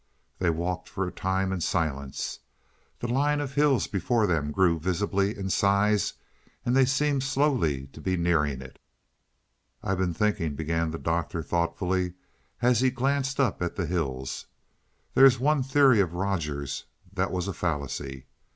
They walked for a time in silence. The line of hills before them grew visibly in size, and they seemed slowly to be nearing it. "I've been thinking," began the Doctor thoughtfully as he glanced up at the hills. "There's one theory of Rogers's that was a fallacy.